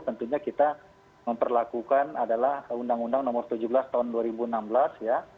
tentunya kita memperlakukan adalah undang undang nomor tujuh belas tahun dua ribu enam belas ya